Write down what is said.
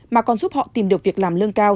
mà còn giúp họ tìm được việc làm lương cao